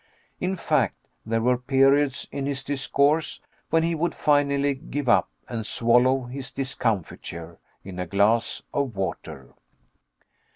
In fact, there were periods in his discourse when he would finally give up and swallow his discomfiture in a glass of water.